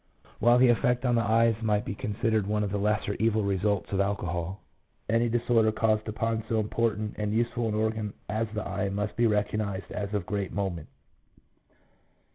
While the effect on the eyes might be considered one of the lesser evil results of alcohol, any disorder caused upon so important and useful an organ as the eye must be recognized as of great moment.